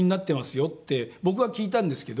よって僕は聞いたんですけど。